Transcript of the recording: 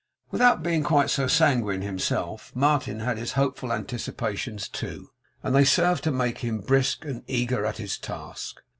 Without being quite so sanguine himself, Martin had his hopeful anticipations too; and they served to make him brisk and eager at his task.